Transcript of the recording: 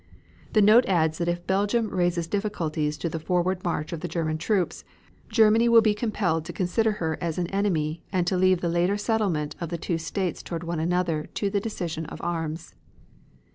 The note adds that if Belgium raises difficulties to the forward march of the German troops Germany will be compelled to consider her as an enemy and to leave the later settlement of the two states toward one another to the decision of arms.